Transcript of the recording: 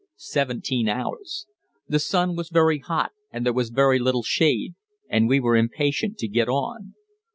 seventeen hours; the sun was very hot and there was very little shade, and we were impatient to get on.